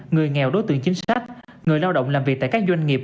người nghèo đối tượng chính sách người lao động làm việc tại các doanh nghiệp